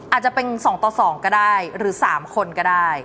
อาจจะเป็น๒ต่อ๒ก็ได้หรือ๓คนก็ได้